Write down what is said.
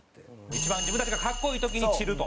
一番自分たちが格好いい時に散ると。